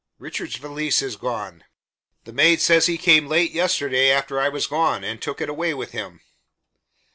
"Richard's valise is gone. The maid says he came late yesterday after I was gone, and took it away with him."